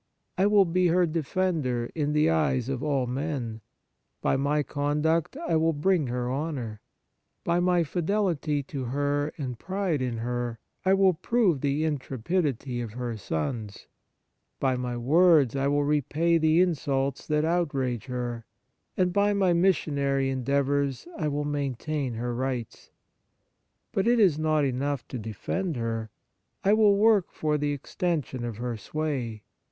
I will be her defender in the eyes of all men : by my conduct I will bring her honour ; by my fidelity to her and pride in her, I will prove the intre pidity of her sons ; by my words I will repay the insults that outrage her ; and by my missionary en deavours I will maintain her rights. But it is not enough to defend her : I will work for the extension of her sway.